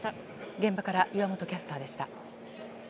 現場から岩本キャスターでした。